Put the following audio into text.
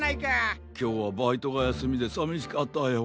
きょうはバイトがやすみでさみしかったよ。